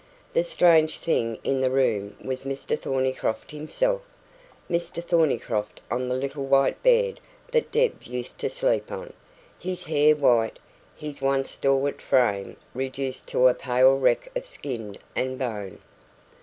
The strange thing in the room was Mr Thornycroft himself Mr Thornycroft on the little white bed that Deb used to sleep on, his hair white, his once stalwart frame reduced to a pale wreck of skin and bone.